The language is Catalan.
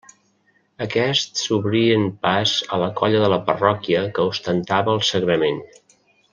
Aquests obrien pas a la colla de la parròquia que ostentava el Sagrament.